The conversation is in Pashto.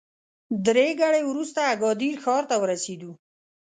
درې ګړۍ وروسته اګادیر ښار ته ورسېدو.